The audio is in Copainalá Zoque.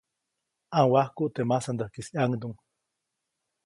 ʼNawajkuʼt teʼ masandäjkis ʼyaŋduŋ.